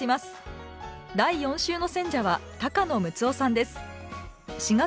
第４週の選者は高野ムツオさんです。